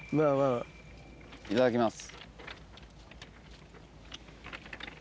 いただきます。